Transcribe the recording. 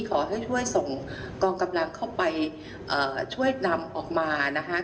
ขอให้ช่วยส่งกองกำลังเข้าไปช่วยนำออกมานะคะ